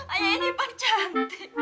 ayah ini pak cantik